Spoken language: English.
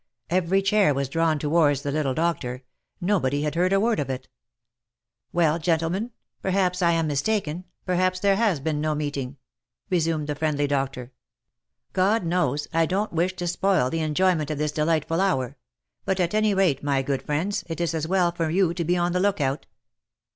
Every chair was drawn towards the little doctor : no body had heard a word of it. " Well, gentlemen, perhaps I am mis taken — perhaps there has been no meeting," resumed the friendly doctor. " God knows, I don't wish to spoil the enjoyment of this delightful hour ; but at any rate, my good friends, it is as well for you to be on the look out."